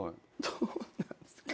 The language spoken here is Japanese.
どうなんすか。